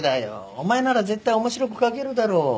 お前なら絶対面白く描けるだろう？